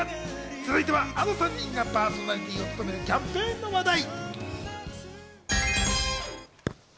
続いては、あの３人がパーソナリティーを務めるキャンペーンの話題。